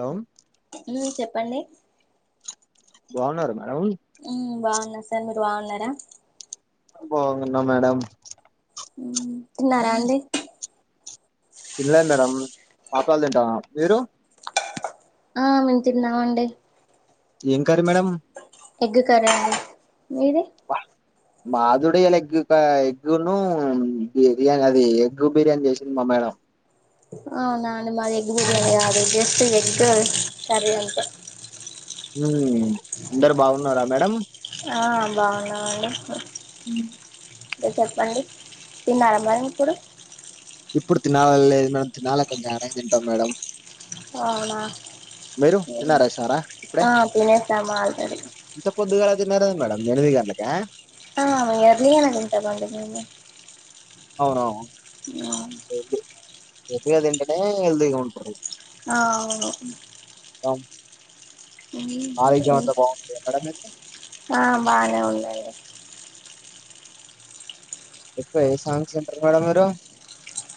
Hello ఉ చెప్పండి బాగున్నార మేడం హలో సార్ మీరు బాగున్నారా బాగున్న మేడం తిన్నారా అండి తినలే అన్నాడు అమ్ములు పాపుడాలు తింటామా మీరు ఆ మేము తిన్నామండి ఏం కర్రీ మేడం ఎగ్ కర్రీ వాళ్ళది మీది మాది ఇవాళ ఎగ్ ఎగ్గును బిర్యానీ అది ఎగ్గు బిర్యానీ చేసింది మా మేడం అవునా అండి మాది ఎగ్గు బిర్యానీ కాదు జస్ట్ ఎగ్ కర్రీ అంతే ఉ అందరు బాగున్నారా మేడం ఆ బాగున్నామండి ఉ చెప్పండి తిన్నారా మరి ఇప్పుడు ఇప్పుడు తినాల లేదు మేడం తినాలి కొంచెం అయినంక తింటాం మేడం అవునా మీరు హు తిన్నారా సారా ఇప్పుడే ఆ తినేసాము ఆల్రెడీ వస్తున్నారు కదా మేడం ఎనిమిది గంటలకే ఆ ఎర్లీ గానే తింటాము అండి మేము అవునవును పొద్దుగాల తింటనే హెల్తీగా ఉంటారు అ అవును అ మేడం మీది ఆ బాగానే ఉందండి ఎక్కువ ఏ సాంగ్ సు విన్టర్ మేడం మీరు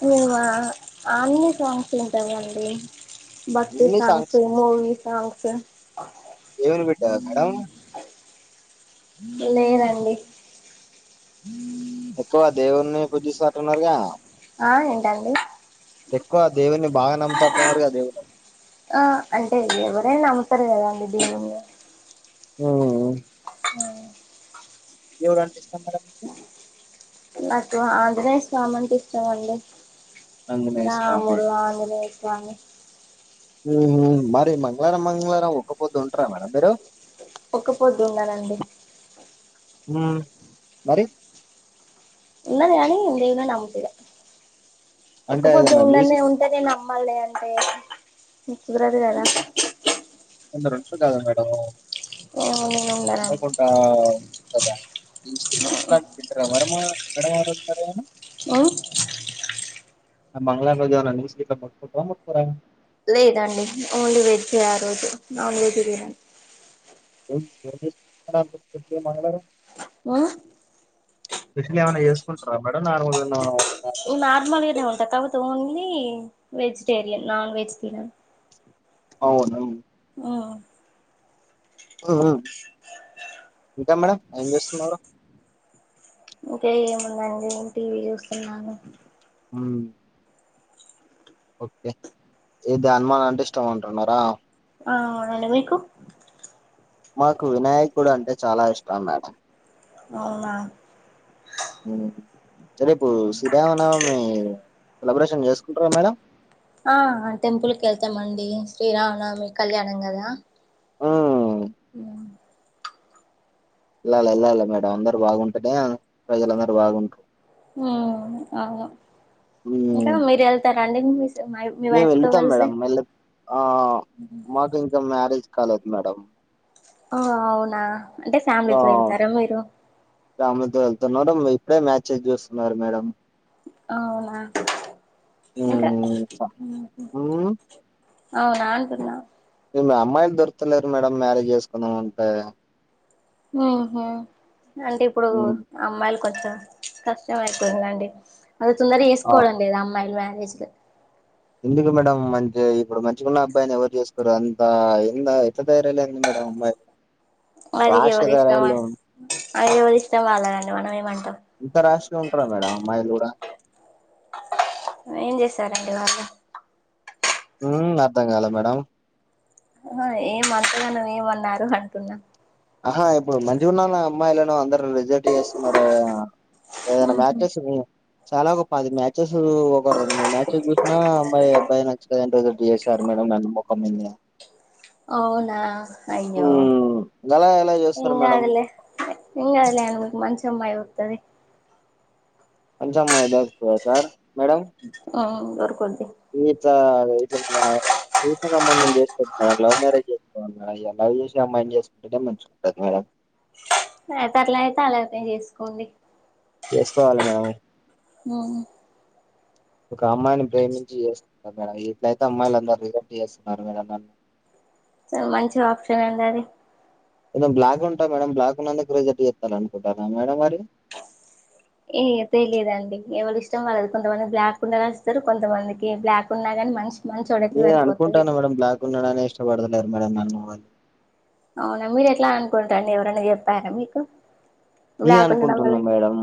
మేమ అన్ని సాంగ్స్ లు ఇంటావండి బక్తి సాంగ్స్ మూవీ సాంగ్స్ దేవుని బిడ్డ మేడం లేదండి ఎక్కువద్ దేవున్ని పుజిస్స టున్నారుగా ఆ ఏంటండి ఎక్కువ దేవుని బాగా నమ్ముతట్టున్నారుగా దేవుని ఆ అంటే ఎవరైనా నమ్ముతరు కదా [unintelligible] ఉమ్ అ ఎవరంటే ఇష్టం మేడమ్ మీకు నాకు ఆంజనేయ స్వామి అంటే ఇష్టమండి ఆంజనేయ నా స్వామి ముల్ల ఆంజనేయ కా మరి మంగళారం మంగళారం ఒకపోద్దు ఉంటారా మేడం మీరు ఒక్కపోద్దు వుండ నండి ఉమ్ మరి ఉన్నది గానీ మేమే నమ్ముతలే ఒక్క అంటే పొద్ ఏదన్నా ఉండ న్ న్యూస్ ఉంటేనే నమ్ మళ్ళీ అంటే కుదరదు కదా అంధ రెండు కదా మేడమ్ ఆ ఏం కొంటవ్ దా [unintelligible] మేడమ్ [unintelligible] ఓ మంగళారం రోజు ఏమన్నా నీసు గిట్ల ముట్టుకుంటరముట్టు కోర లేదండి ఓన్లీ వెజే ఆ రోజు నాన్ వెజ్ బిర్యానీ [unintelligible] ఆ స్పెషల్ ఏమైన చేసుకుంటారా మేడం నార్మల్గా నా నార్మల్గానే ఉంటాయ్ తర్వాత ఓన్లీ వెజిటేరియన్ నాన్ వెజిటేరియన్ అవును అ అవును ఇంకా మేడంమ్ ఏం చేస్తున్నారు ఇంకే ముందండి నేన్ టీవీ చూస్తున్నాను ఉమ్ ఓకే ఇది హనుమాన్ అంటే ఇష్టం అంటున్నారా ఆ అవునండి మీకు మాకు వినాయకుడు అంటే చాలా ఇష్టం మాడెం అవునా చరేపు శ్రీరామనవమి సెలబ్రేషన్ చేసుకుంటారా మేడం ఆ టెంపుల్కి వెళ్తామండి శ్రీరామనమి కళ్యాణం కదా మ్మ్. ఆ ఇల్ల ఇల్లాల మేడం అందరు బాగుంటేనే ప్రజలందరుూ బాగుంటారు ఉ అవు ఇంకా మ్మ్. మీరు వెళ్తారండి మీ మేము వైఫ్ తో వెళతాం కలిసి మేడం వెళ ఆ మాకు ఇంకా మ మ్యారేజ్ కాలెదు మాడెం ఆ అవునా అంటే ఫ్యామిలీతో వెళ్తారా మీరు రాములుద్ద వెళ్తున్నారు ఇప్పుడే మ్యాచెస్ చూస్తున్నారు మేడం అవునా ఇకా అవుననుంటన్నా మీ అమ్మాయిలు దొరకలేరు మేడం మ్యారేజ్ చేసుకున్నాం అంటే ఉ అంటే ఇప్పుడు మ్మ్. అమ్మాయిలు కొంచెం కష్టం అయిపోయిందండి అది తొందర ఆ వేసుకోవడం లేదు అమ్మాయిలు [unintelligible] ఎందుకు మేడం మంచి ఇప్పుడు మంచిగాన్న అబ్బాయిని ఎవరు చేసుకోరు అంత ఎంత ఎంత ధైర్య లేదండి మేడం అమ్మాాయిలు అదికి ఎవరి ఇష్టమా అవి ఎవరి ఇష్టం వాళ్ళది అండి మనం ఏమంటాం ఇంత రాష్గా ఉంటారా మేడం అమ్మాయిలు కూడా ఏం చేసారంండి వాళ్ళ ఉ అర్థం కాల మేడం ఏం అంటగా నువ ఏమన్నారు అంటున్నాం ఆహా ఇప్పుడు మంచిగా ఉన్నా నా అమ్మాయిలను అందరు రిజెక్ట్ చేసుకున్నారు ఏదనా ఉహు మ్యాచస్ చాలా గొప్పది మ్యాచెస్ ఒక రెండు మూడు మ్యాచెస్ చూ నా అమ్మాయి అబ్బాయి నచ్చుదండి డిఎస్ఆర్ మేడం నన్న ముఖంంది అవునా అయ్యో ఉమ్ గలా ఎలా చేస్తారు ఇంగ్ మేడం అదిలే ఇ అదిలే మంచిఅమ్మాయి తనే పంచమ్ మయదాతు సార్ మేడం ఆ బర్క [unintelligible] ఇ చూసబం చేకో మేడం లవ్ మ్యారేజ్ చేసుకోవాల మడం లవ్ చేూస అమ్మాయి ఏం చేసుకుంటేనే మంచిుకుంటంది మేడం అత అట్లా అయితే అలానే చేసుకోండి చేసుకోవాలి మేడం ఆ ఒక అమ్మాయిని ప్రేమించి చేస్తుంటారు మేడం ఎట్లయితే అమ్మాయిలు అందరుూ రిజెక్ట్ చేస్తున్నారు మేడం నన్ను చాల మంచి ఆప్షన్ అండి అది ఏదో బ్లాక్ ఉంటా మేడ బ్లాక్ ఉన్నందుకు రిజెక్ట్ చేస్తాల అనుకుంటార మేడ మరి ఏ తెలిదుండి ఎవరు ఇష్టం వాళ్లేదు కొంతమంది బ్లాక్ ఉండాల ఇస్తారు కొంతమందికి బ్లాక్ ఉన్నా గాని మనిషి మంచోడైతే నే సరిపోతది అనుకుంటాను మేడమ్ బ్లాకు ఉన్నాడా ఎస్ ఇష్టపడుతలేరు మేడం నన్నెవ్వరు అవునా మీరు ఎట్లా అనుకుంటారండి ఎవరన్నా చెప్పారా మీకు నేను బ్లాక్ ఉండడం అనుకుంటున్నా వల్ల మేడం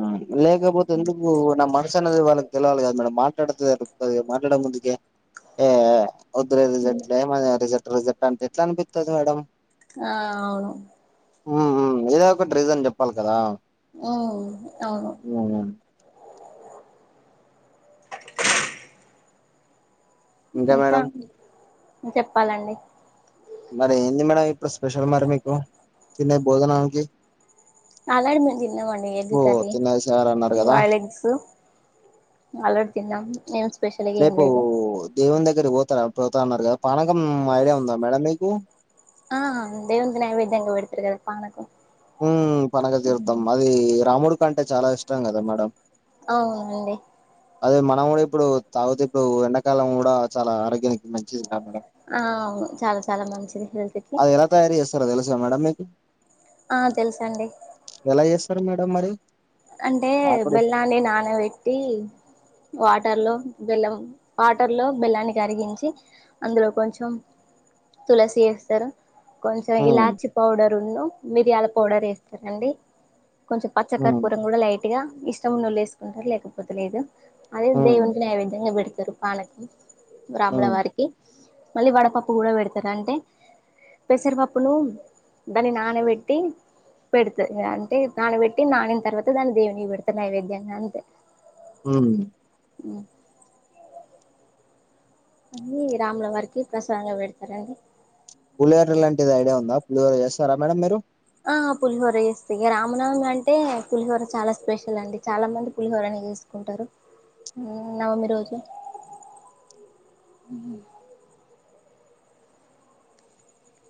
లేకపోతే ఎందుకు నా మనసు అనేది వాళ్ళకి తెలవాలి కాద మేడం మాట్లాడత మాట్లాడ ముందుకే ఏ ఉదర రిజర్ట్లే మన రిజర్ట్ రిజర్ట్ అంటే ఎట్లా అనిపిస్తది మేడం ఆ అవును ఇదే ఒకటి రీజన్ చెప్పాలి ఇదా ఆ అవును ఉమ్. ఇంకా ఇంక మేడం చెప్పాలండి మరి ఏంది మేడం ఇప్పుడు స్పెషల్ మరి మీకు చిన్న భోజనానికి అలాడు మ ఎగ్ ఓ కరీ తినేసారు అన్నారు కదా బాయిల్ ఎగ్స్ ఆల్రెడీ తిన్నాం నేను రేపు దేవునీ దగ్గరకి దగ్గరికీ పోతారుా అప్పుడు పోతా అన్నారు కదా పనకం ఐడియా ఉందా మేడం మీకు ఆ అ దే వంది నైవేద్యం అంగా పెడుతురు కద పనకం ఉ పనక తీీర్థం అది రాముడు అంటే చాలా ఇష్టం కదా మేడం అవునండి అదే మనం కూడా ఇప్పుడు తాగుతే ఇప్పుడు ఎండాకాలం కూడా చాలా ఆరోగ్యానికి మంచిది కా మే ఆవును చాలా చాలా మంచిది హెల్త్ కి అది ఎలా తయారీ చే తెల్సా మేడం మీకి ఆ తెలుసాండి సార్ మేడం మరి అంటే నాకు కూడా బెల్లాన్ని నానబెట్టి వాటి వాటర్లో బెల్లం వాటర్లో బెల్లాన్ని కరిగించి అందులో కొంచెం తులసి వేస్తారు కొంచెం ఉమ్ ఇలాచి పౌడర్ ఉన్న మిరిలా పౌడర్ వేస్తారండి కొంచెం పచ్చ క ఉమ్ కూరం కూడా లైట్ గా ఇష్ చమునూళ్లు వేసుకుంటారు లేకపోతే లేదు అదే ఉమ్ దేవునికి నైవిధ్యంగా పెడుతారు పాణకం రాముల ఉమ్ వారికి మళ్ళీ వడ పప్పు కూడా పెడతారు అంటే పెసరపప్పును దాని నానబెట్టి పెడతారు అంటే నానబెట్టి నాని తర్వాత దాని దేవుని పెడతా నైవేద్యాంగా అంతే ఉ ఉ అన్నీ రాముల వారికి ప్రసాంగా పెడతారండి పులిహోర లాంటిది ఐడియా ఉందా పులిహోర చేస్తారా మేడం మీరు ఆ పులిహోర చేస్తా రామనవమి అంటే పులిహోర చాలా స్పెషల్ అండి చాలా మంది పులిహోరని చేసుకుంటారు ఉ నవమి రోజు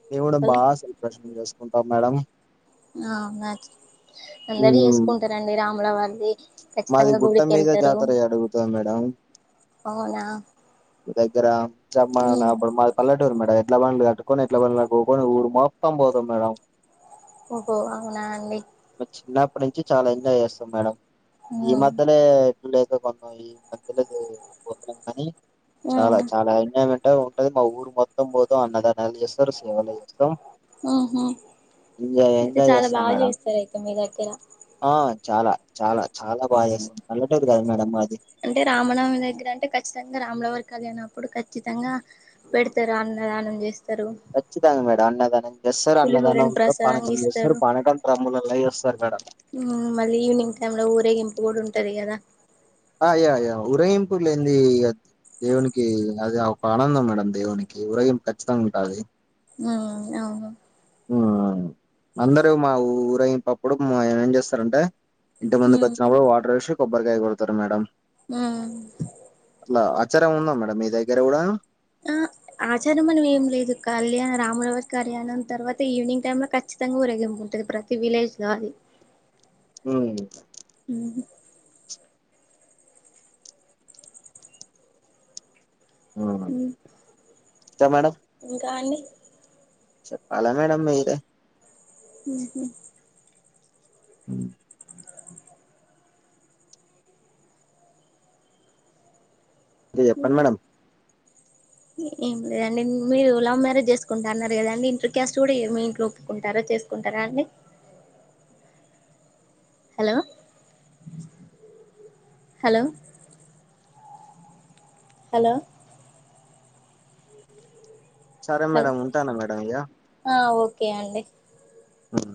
నేను కూడా బా దర్శనం చేసు ఉంటాం మేడం ఆ మంచి అందరు ఉమ్ చేసుకుంటారండి రాములవారు అని మాది గుట్ట మీద జాతర జరుగుతాది మేడం అవునా దగ్గర జమా ఆడ మాది పల్లె టు మేడం ఎడ్ల బండ్లు కట్టుకొని ఎట్లా బన్లో కుకొని ఊరు మొత్తం పోతాం మేడం ఓహో అవునా అండి చిన్నప్పటి నుంచి చాలా ఎంజాయ్ చేస్తాం మేడం ఈ ఉమ్ మధ్యనే గుడి అయితే కొందయి మంతలేదు పోతన్నాం కానీ చాలా ఉమ్ చాలా ఎంజాయ్మెంట్ అంట ఉంటది మా ఊరు మొత్తం పోతా అన్నదానాలు చేస్తారు సేవలు చేస్తాం ఆహ ఎంజాయ్ అయితే ఎంజాయ్ చాలా చేస్తాం బాగా మేడం చేస్తారయితే మీ దగ్గర ఆ చాలా చాలా చాలా బాగా చేస్తాం పల్లె టూ మేడం అది అంటే రామనవమి దగ్గర అంటే ఖచ్చితంగా రాముల వారి కళ్యాణం అప్పుడు ఖచ్చితంగా పెడతారు అన్నదానం చేస్తారు కచ్చితంగా మేడం అన్నదానం చేస్తారు అన్నదానం పులిహోరను కూడా ప్రసాదంగా పానకం చేస్తారు ఇస్తారు పానకం డ్రమ్ములలో చేస్తారు మేడం మళ్ళీ ఈవినింగ్ టైం లో ఊరేగింపు కూడా ఉంటది కదా అ అయ్యా అయ్యా ఊరేగింపు లేన్ది. ఆ దేవునికి అద ఒక ఆనందం మేడం దేవునికి. ఊరేగింప్ ఖచ్చితంగా ఉంటది. మ్మ్ అవును ఉహ్ ఆ అందరూ మా ఊరేయింపప్పుడు. మ్ ఏం చేస్తారంటే ఇంటి ముందుకు ఉమ్, వచ్చినప్పుడు వాటర్ వేష్ కొబ్బరికాయ్ కొడతారు మేడం ఉమ్ ఆ ఆచారం ఉందా మేడం. మీ దగ్గర గూడా ఆహ్ ఆచారం మను ఏం లేదు. కళ్యా రాముల వారి కళ్యాణం తర్వాత ఈవినింగ్ టైం లో ఖచ్చితంగా ఊరేగింపు ఉంటది. ప్రతి విలేజ్ లో అది ఉమ్ [unintelligible] ఉమ్, ఉమ్ ఇంకా మేడం ఇంకా అండి చెప్పాలా మేడం మీరే ఉహ్ హు హు ఇంక చెప్పండ్ ఉమ్. మేడం ఏం లేదండి మీరు లవ్ మ్యారేజ్ చేసుకుంటా అన్నారు కదండి. ఇంటర్ క్యాస్ట్ గూడా ఈ మీ ఇంట్లో ఒప్పుకుంటారా చేసుకుంటారా అండి. హలో హలో హలో సరే మేడం ఉంటానా మేడం ఇగా కే అండి ఉమ్